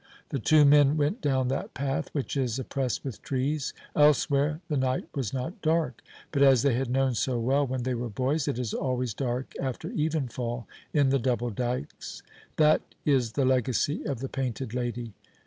The two men went down that path, which is oppressed with trees. Elsewhere the night was not dark, but, as they had known so well when they were boys, it is always dark after evenfall in the Double Dykes. That is the legacy of the Painted Lady.